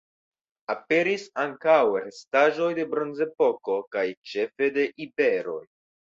Aperis ankaŭ restaĵoj de Bronzepoko kaj ĉefe de iberoj.